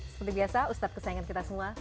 seperti biasa ustadz kesayangan kita semua